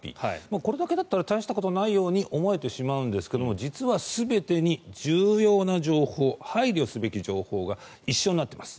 これだけだったら大したことないように思えてしまうんですが実は、全てに重要な情報、配慮すべき情報が一緒になっています。